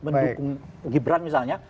mendukung gibran misalnya